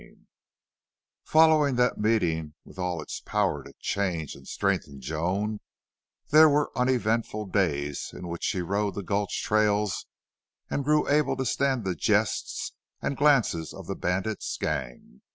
11 Following that meeting, with all its power to change and strengthen Joan, there were uneventful days in which she rode the gulch trails and grew able to stand the jests and glances of the bandit's gang.